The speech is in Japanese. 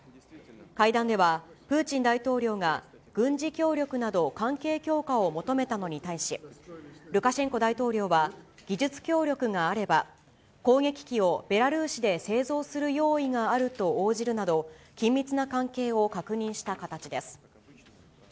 会談では、プーチン大統領が軍事協力など関係強化を求めたのに対し、ルカシェンコ大統領は、技術協力があれば攻撃機をベラルーシで製造する用意があると応じるなど、緊密な関係を確認した形です。